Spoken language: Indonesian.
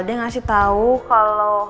dia ngasih tau kalo